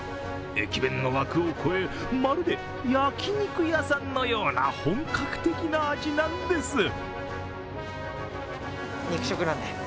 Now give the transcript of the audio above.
駅弁の枠を越え、まるで焼き肉屋さんのような本格的な味なんです。